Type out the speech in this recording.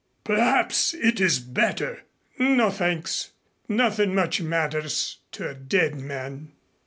Perhaps it is better." "No, thanks. Nothing much matters to a dead man."